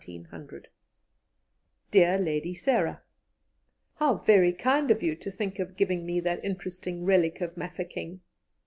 _ "DEAR LADY SARAH, "How very kind of you to think of giving me that interesting relic of Mafeking!